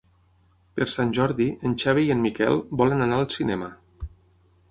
Per Sant Jordi en Xavi i en Miquel volen anar al cinema.